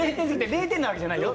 ０点なわけじゃないよ。